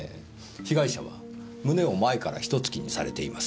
被害者は胸を前から一突きにされています。